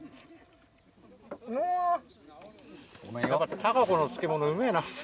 孝子の漬物うめぇな。